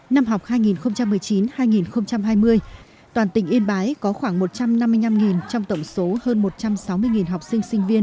năm học hai nghìn một mươi chín hai nghìn hai mươi toàn tỉnh yên bái có khoảng một trăm năm mươi năm trong tổng số hơn một trăm sáu mươi học sinh sinh viên